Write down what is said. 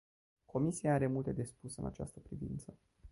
Comisia are multe de spus în această privință.